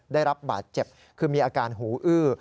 ได้รับบาดเจ็บคือมีอาการหูอื้อ